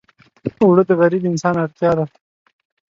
اوړه د غریب انسان اړتیا ده